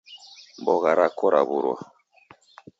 Mbogha rako raw'urwa